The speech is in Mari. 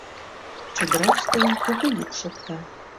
Чодыраште куку йӱк шокта.